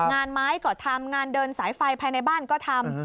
งานไม้ก็ทำงานเดินสายไฟภายในบ้านก็ทำ